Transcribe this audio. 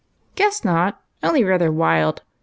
" Guess not, only rather wild.